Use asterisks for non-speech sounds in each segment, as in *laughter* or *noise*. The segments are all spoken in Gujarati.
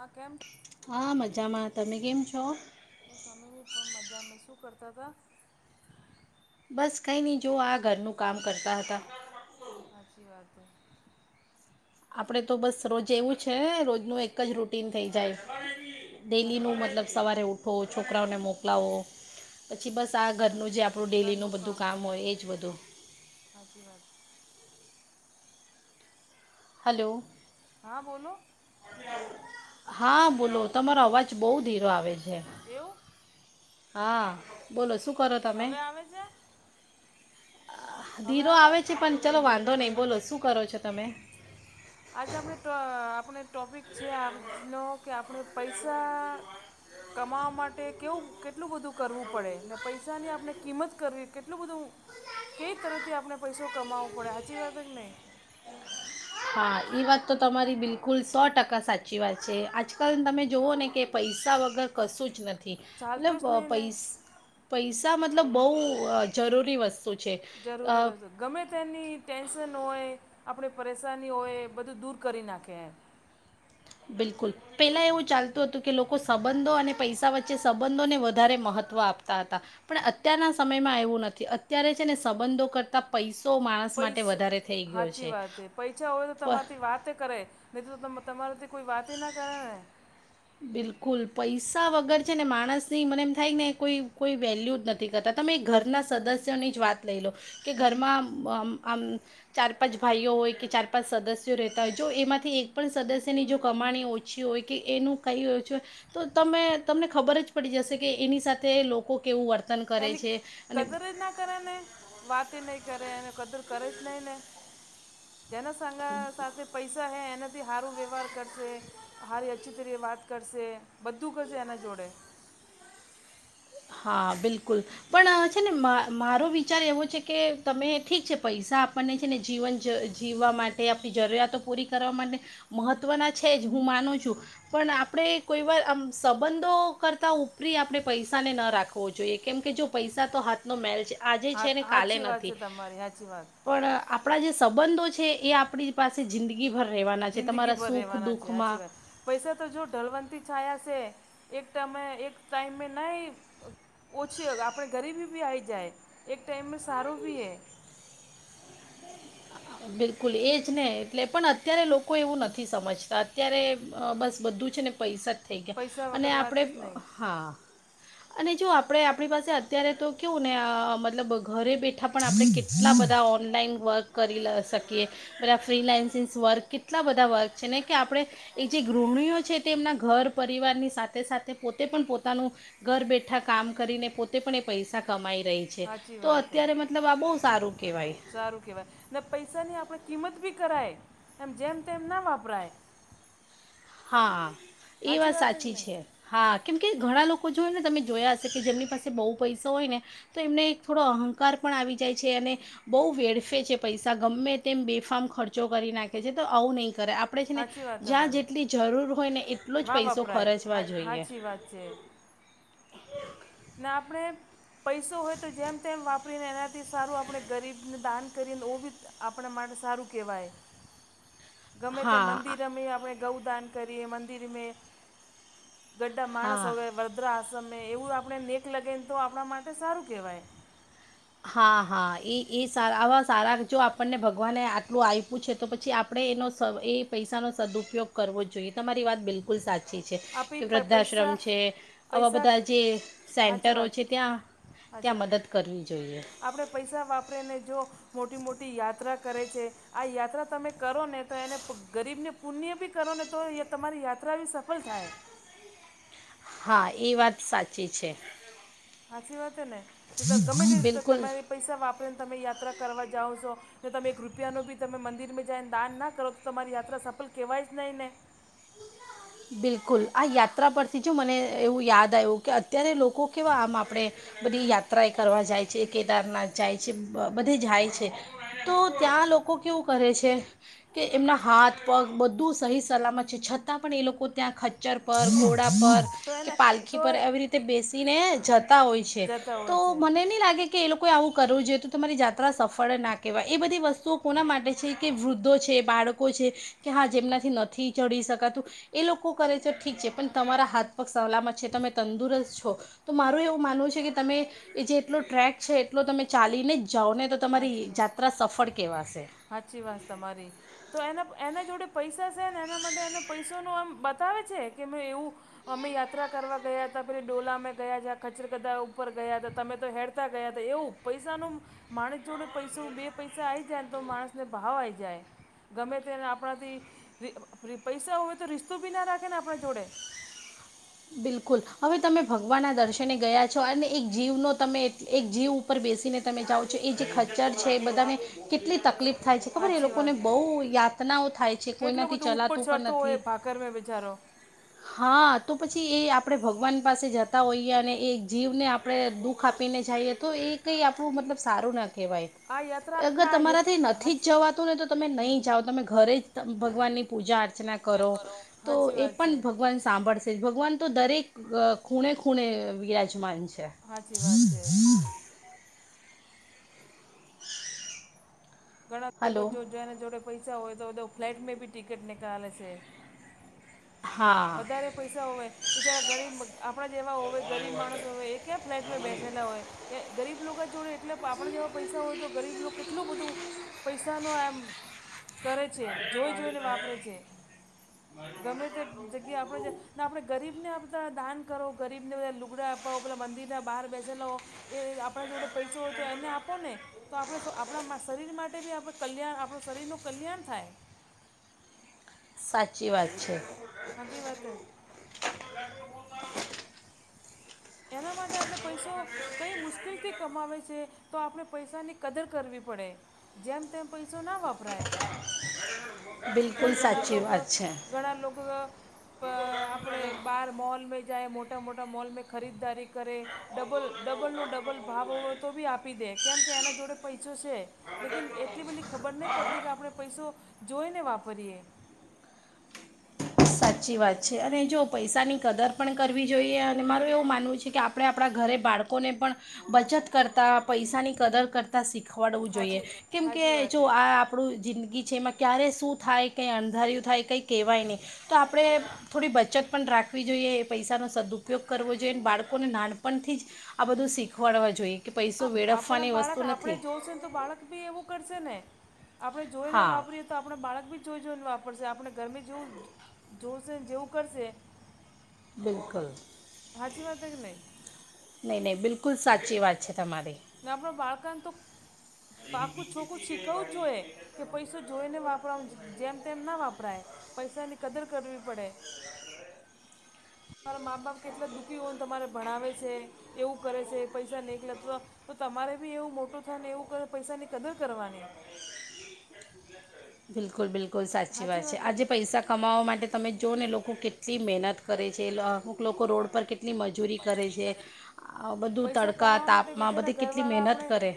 આ કેમ હા મજામાં તમે કેમ છો? તમે ની પઈ મજામાં શું કરતા હતા? બસ કંઈ નહી જોઆ ઘરનું કામ હતા. સાચી વાત છે. આપણે તો બસ રોજ એવું છે રોજનું એક જ રૂટીન થઈ જાય‌ સાચી ડેલીનું મતલબ વાત હે સવારે ઉઠો છોકરાઓને મોકલાવો પછી બસ આ ઘરનું જે આપણું ડેલીનું બધું કામ હોય એજ બધું સાચી વાત હલો. હા બોલો હા બોલો તમારો અવાજ બહુ ધીરો આવે છે, એવું. હા. બોલો શું કરો તમે? હવે આવે છે ધીરો આવે છે, પણ ચલો વાંધો નહીં બોલો શું કરો છો, તમે. *unintelligible* *inaudible* આજે આપણે આપણે ટોપિક છે, આજનો કે આપણે પૈસા કમાવા માટે કેવું કેટલું બધું કરવું પડે ને પૈસાની આપણે કિંમત કરવી કેટલું બધું કેઈ તરફથી આપણે પૈસો કમાવો પડે સાચી વાત કે નહીં? હાએ વાત તો તમારી બિલકુલ સો ટકા સાચી વાત છે, આજકાલ તમે જોવો ને કે, પૈસા વગર કશું જ નથી. ચાલતો મતલબ જ નહીં ને પૈસા મતલબ બહુ જરૂરી વસ્તુ છે અ, જરૂરી વસ્તુ. ગમે તેની ટેન્શન હોય આપણે પરેશાની હોય એ બધું દૂર કરી નાખે એમ. બિલકુલ. પેલા એવું ચાલતું હતું, કે લોકો સંબંધો અને પૈસા વચ્ચે સંબંધોને વધારે મહત્ત્વ આપતા હતા. પણ અત્યારના સમયમાં એવું નથી અત્યારે છે, ને સંબંધો કરતા પૈસો માણસ માટે પૈસા વધારે થઈ ગયો સાાચી છે વાત હે, પૈસા હોય તો પ- તમારાથી વાતે કરે, નહીં તો તો તમારાથી કોઈ વાતના કરેને. બિલકુલ પૈસા વગર છે, ને માણસ ની મને એમ થાય ને કોઈ કોઈ વેલ્યુ જ નથી. નથી કરતા તમે ઘરના સદસ્યોની જ વાત લઈ લો કે ઘરમાં આમ ચાર પાંચ ભાઈઓ હોય કે ચાર પાંચ સદસ્યો રહેતા હોય જો એમાંથી એક પણ સદસ્યની જો કમાણી ઓ પછી હોય કે એનું કહી હો છે, તમે તમને ખબર જ પડી જશે એની સાથે લોકો કેવું વર્તન કરે એની છે અને કદર જ ના કરેને, વાત નહીં કરે એને કદર કરે જ નહીં ને. જેના સાંગા સાથે, પૈસા હૈ એનાથી સારું વ્યવહાર કરશે. અચ્છી તરીકે વાત કરશે. બધું કરશે એના જોડે, હા, બિલકુલ. પણ છે, ને મારો વિચાર એવો છે, કે તમે ઠીક છે, પૈસા આપણને છે, ને જીવન જ જીવવા માટે આપણી જરૂરિયાતો પૂરી કરવા માટે મહત્ત્વના છે, જ હું માનું છું. પણ આપણે કોઈવાર આમ સંબંધો કરતા ઉપરી આપણે પૈસા અને નો રાખવો જોઈએ, કેમ કે જો પૈસા તો હાથ નો મેલ છે, આજે હા છે, ને કાલે સાચી વાત છે નથી‌. તમારી સાચી વાત પણ આપણા જે સંબંધો છે, એ આપણી પાસે રહેવાના છે, જિંદગી ભર સુખ રહેવાના છે સાચી દુઃખમાં. વાત પૈસા તો જો ઢલવંત છાંયા છે, એક ટાઈમે એક ટાઈમ મે નહિ, ઓછી આપણે ગરીબી બી આવી જાય એક ટાઈઇમાં સારું બીજું હોય. બિલકુલ એજ ને એટલે પણ અત્યારે લોકો એવું નથી સમજતા અત્યારે બસ બધું જ છે ને પૈસા જ થય ગયા. પૈસા અને વગર વાત આપણે જ નહીં હા. અને જો આપણે આપણી પાસે અત્યારે તો કેવું ને મતલબ ઘરે બેઠા પણ આપણે કેટ કેટલા બધા ઓનલાઈન વર્ક કરી લ શકિયે. બધા ફ્રીલાન્સિન્સ વર્ક કેટલા બધા વર્ક છે ને કે આપણે એ જે ગૃહણીઓ છે તેના ઘર પરિવારની સાથે સાથે પોતે પણ પોતાનું ઘર બેઠા કામ કરીને પોતે પણ એ પૈસા કમાઈ રહી છે, સાચી તો વાત હે અત્યારે મતલબ આ બહ સારું કેવાય. સારું કેવાય. ને પૈસાની આપણે કિંમત બી કરાય એમ જેમ તેમ ના વાપરાય. હા એ વાત સાચી છે. હા કેમકે ઘણા લોકો જોય ને તમે જોયા, હશે કે જેમની પાસે બહુ પૈસા હોય ને તો એમને એક થોડો અહંકાર પણ આવી જાય છે. અને બઉુ વેડફે છે. પૈસા ગમે તેમ બેફામ ખર્ચો કરી નાખે છે, તો આવું નહીં કરાય. આપણે છે ને સાચી વાત જ્યાં તમારી જેટલી જરૂર હોય ને એટલો જ વાં પૈસો વપરાય ખર્ચવા હા જોઈએ. સાચી વાત છે, ને આપણે પૈસો હોય તો જેમ તેમ વાપ ને એનાથી સારું આપણે ગરીબને દાન કરીને ઓ બી આપણા માટે સારું કેહેવાય. *unintelligible* ગમે તે હા આ- મંદિરમે આપણે ગૌદાન કરીએ મંદિરમે. ગડા માણસ હા હોવે વરદ્રા આશ્રમે એવું આપણે નેક લગીને તો આપણા માટે સારું કહેવાય. હા હા એ એ સારા આવા સારા જો આપણને ભગવાને આટલું આય પૂછે તો પછી આપણે એનો સ એ પૈસાનો સદુઉપયોગ- કરવો જ જોઈએ તમારી વાત બિલકુલ સાચી છે. કે આપી વૃદ્ધાશ્રમ પૈસા છે આવા પૈસા બધા જે સેન્ટરો છે. ત્યાં હાજી ત્યાં વાત મદદ કરવી જોઈએ. આપણે પૈસા વાપરીને જો મોટી મોટી યાત્રા કરે છે. આ યાત્રા તમે કરો ને તો એને ગરીબને પુણ્ય બી કરો ને તો એ તમારી યાત્રા બી સફળ થાય. હા એ વાત સાચી છે. સાચી વાત હે ને તો ગમે તેતે બિલકુલ તમારે પૈસા વાપરીને તમે યાત્રા કરવા જાઓ સો. તે તમે એક રૂપિયા ન ભી તમે મંદિરમાં જાયને દાન ના કરો તો તમારી યાત્રા સફલ કેહેવાય જ નહી ને. બિલકુલ આ યાત્રા પરથી જો મને એવું યાદ આવ્યું કે અત્યારે લોકો કેવા આમ આપણે બધી યાત્રા એ કરવા જાય છે, કેદારનાથ જાય છે બ બધી જાય છે. તો ત્યાં લોકો કેવું કરે છે. કે એમના હાથ પગ બધું સહી સલામત છ. ે છતાં પણ એ લોકો કો ત્યાં ખચ્ચર પર ઘોડા પર તો કે એને તો પાલખી પર એવી રીતે બેસીને જતા હોય છે. જતા તો હોય છે મને નહી લાગે કે એ લોકોએ આવું કરવું જોઈએ તો તમારી જાત્રા સફળ ના કહેવાય એ બધી વસ્તુઓ કોના માટે છે. કે વૃદ્ધો છે બાળકો કો છે. કે હા જેમનાથી નથી ચઢી શકાતું એ લોકો કરે છે, ઠીક છે પણ તમારા હાથપગ સલામત છે. તમે તંદુરસ્ત છો તો તો મારું એવું માનવું છે કે તમે એ જેટલો ટ્રેક છે. એટલો તમે ચાલીને જ જાઓ ને તો તમારી જાત્રા સફળ કેવાશે. સાાચી વાત તમારી. તો એના એના જોડે પૈસા છે, ને એના માટે એને પૈસોનું આમ બતાવે છે. કે મેં એવું અમે યાત્રા કરવા ગયા તા ડોલા મે ગયા ખચરગદા ઉપર ગયા હતા, તમે તો હેડ ગયા તા એવું પૈસાનું માણસ જોડે પૈસું બે પૈસા આવી જાયને તો માણસને ભાવ આઇ જાય. ગમે તે ન આપણાથી રી રી પૈસા હોય તો રિસ્તો બી ના રાખે ને આપણા જોડે. બિલકુલ હવે તમે ભગવાનના દર્શને ગયા છો અને એક જીવ નો તમે એક જીવ ઉપર બેસીને તમે જાઓ છો એ જે ખચર છે. એ બધાને કેટલી તકલીફ થાય છે ખબરને એ સાચી લોકોને વાત બહુ યાતનાઓ થાય છે. કેટલો કોઈનાથી બધો ઉપર ચલાતું પણ ચડતો હોય નથી ભાકર મેં બિચારો હા. તો પછી એ આપણે ભગવાન પાસે જતા હોઈએ અને એ જીવને આપણે દુઃખ આપીને જઈએ તો એ કંઈ આપણું મતલબ સારું ના કહેવાય. આ યાત્રા અગર ના તમારાથી નથી જ જવાતું ને તો તમે નહીં જાઓ તમે ઘરે જ ભગવાનની પૂજા અર્ચના કરો. તો સાચી એ વાત પણ છે ભગવાન સાંભળશે જ, ભગવાન તો દરેક ખૂણે ખૂણે બિરાજમાન છે. હાચી વાત છે. ઘણા લોકો હલો જો જોને જોડે પૈસા હોય તો તો ફ્લાઇટમાં બી ટિકિટ નીકાલેે છે. હા વધારે પૈસા હોવે બચાર આપણા જેવા હોય, ગરીબ માણસ હોય એ ક્યા ફ્લેટમાં બેસેલા હોય. એ ગરીબ લોકો જોડે એટલે આપણે જેવા પૈસા હોય તો ગરીબ લોકો કેટલું બધું પૈસાનો આમ કરે છે. જોઈ જોઈને વાપરે છે. ગમે તે જગ્યા આપણે આપણે ગરીબને બધા દાન કરો. ગરીબને બધા લુગડા આપાવો, પેલા મંદિરના બહાર બેસેલા એ આપણા જોડે પૈસો હોય તો એને આપો ને. તો આપણે આપણા શરીર માટે બી આપણે કલ્યાણ આપણું શરીરનું કલ્યાણ થાય. સાચી વાત છે. હાચી વાતે. એના માટે આપણે પૈસો કઈ મુશ્કેલથી કમાવે છે. તો આપણે પૈસાની કદર કરવી પડે. જેમ તેમ પૈસો ના વાપરાય. હેડો હેડો. કેમ ઘણા લોકો ઘણા લોકો. પ આપણે બહાર મૉલ મે જાય મોટા મોટા મોલ મે ખરીદારી કરે. ડબલ ડબલ નો ડબલ ભાવ હો તો બી આપી દે કેમ કે એના જોડે પૈસો છે. લેકિન એટલી બધલી ખબર નહીં પડતી કે આપણે પૈસો જોઈને વાપરીએ. સાચી વાત છે. અને જો પૈસાની કદર પણ કરવી જોઈએ અને મારું એવું માનવું છે કે આપણે આપણા ઘરે બાળ લોકોને પણ બચત કરતા પૈસાની કદર કરતાં શીખવાડવું જોઈએ. હાચી હાચી કેમકે વાત જો હે આ આપણું જિંદગી છે એમાં ક્યારે શું થાય? કંઈ અણંધાર્યું થાય, કંઈ કહેવાય નહીં. તો આપણે થોડી બચત પણ રાખવી જોઈએ. એ પૈસાનો સદુઉપયોગ કરવો જોઈએ, અને બાળકોને નાનપણથી જ આ બધું શીખવાડવા જોઈએ. કે આ પૈસો આપણા વેડફવાની બાળક વસ્તુ આપણે નથી જોશે ને તો બાળક ભી એવું કરશે ને. આપણે જોઈને હા વાપરીએ તો આપણે બાળક બી જોઈ જોઈને વાપરશે, આપણે ઘરમે જેવું જ. જોશે ને જેવું કરશે. બિલકુલ. સાચી વાત છે કે નહીં નહીં નહીં બિલકુલ સાચી વાત છે તમારી. ને આપણ બાળકને તો પાકું છોકું શીખવું જોઈએ. કે પૈસો જોઈને વાપરા જેમ તેમ ના વાપરાય, પૈસાની કદર કરવી. આઘો રે. તમારા મા બાપ કેટલા દુઃખી હોય ને તમારે ભણાવે છે. એવું કરે છે પૈસા નેકલે અથવા તો તમારે બી એવું મોટું થાય ને એવું પૈસાની કદર કરવાની. બિલકુલ! બિલકુલ! સાચી વાત છે. આજે પૈસા કમાવા માટે તમે જો ને લોકો કેટલી મહેનત કરે છે. અમુક લોકો રોડ પર કેટલી મજ મજૂરી કરે છે. આ બધું પૈસા તડકા કમાવા માટે તાપમાં બેચારા બધી કેટલી ઘરવાળા મહેનત આપણે કરે.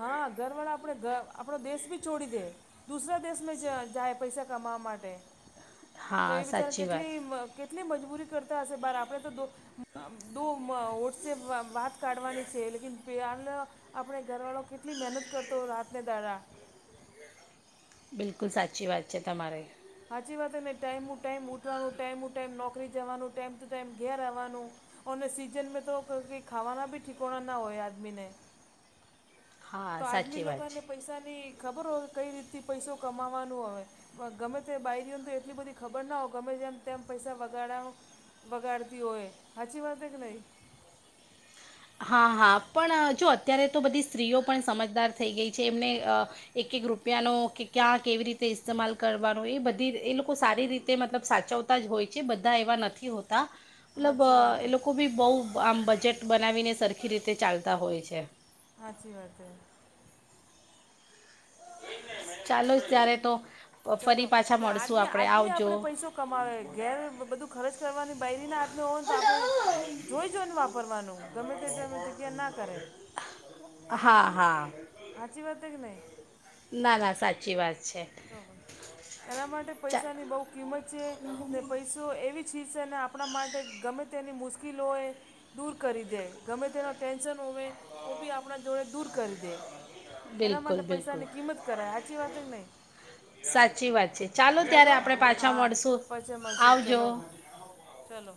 હા ઘરવાળા આપણે આપણો દેશ બી છોડી દે. દુસરા દેશમાં જાય પૈસા કમાવા માટે તો હા એ બિચારા સાચી વાત કેટલી કેટલી મજબૂરી કરતા હશે બાર આપણે તો દો વોટસપમાં વાત કાઢવાની છે લેકન આપણો ઘરવાળો કેટલી મહેનત કરતો રાતને દાડા. બિલકુલ સાચી વાત છે તમારી. સાચી વાતને ટાઈમ ટાઈમ ઉઠવાનું ટાઈમ ટાઈમ નોકરી જવાનું ટાઈમ ટુ ટાઈમ ઘેર આવવાનું. અને સીઝનમાં તો કઈ ખાવાના બી ઠિકોણા ના હોય આદમીને. તો હા આદમી સાચી વાત છે લોકોને પૈસાની ખબર હોય કઈ રીતથી પૈસો કમાવાનો હવે. ગમે તે બઈડીઓને તો એટલી બધી ખબર ના હો ગમે તેમ તેમ પૈસા બગાડવા બગાડતી હોય હચી વાર છે કે નહીં? હા હા પણ જો અત્યારે તો બધી સ્ત્રીઓ પણ સમજદાર થઈ ગઈ છે એમને એક એક રૂપિયાનો કે ક્યાં કેવી રીતે ઇસ્તેમાલ કરવાનો એ બધી એ લોકો સારી રીતે મતલબ સાચવ હોય છે બધા એવા નથી હોતા. મતલબ સાચી એ વાત હે, લોકો બી બહુ આમ બજેટ બનાવીને સરખી રીતે ચાલતા હોય છે. હાચી વાત છે. ચાલો ત્યારે તો ચલો ફરી પાછા ને મળશું આજી આપણે આજમી આવજો આપણે પૈસો કમાવે ઘેર બધું ખર્ચ કરવાની બાયરીના હાથમાં હોય ને તો આપણે જોઈ જોઈને વાપરવાનું ગમે તે જગ્યાએ ના કરે. હા હા હાચી વાત કે નઈ? ના ના સાચી વાત છે. બરોબર એના માટે ચા પૈસાની બહુ કિંમત છે ને પૈસો એવી ચીજ છે ને આપણા માટે ગમે તેની મુશ્કેલો હોય. દૂર કરી દે ગમે તેનો ટેન્શન હોવે ઓ બી આપણા જોડે દૂર કરી દે એના બિલકુલ માટે બિલકુલ પૈસાની કિંમત કરાય સાચી વાત કે નહીં સાચી વાત છે ચાલો ત્યારે ચલો આપડે પાછા હા મળશુ આવજો.. ચાલો